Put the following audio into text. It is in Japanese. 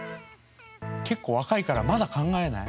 結構若いからまだ考えない？